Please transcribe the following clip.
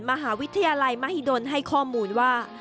มหาวิทยาลัยมหิดลให้ข้อมูลว่า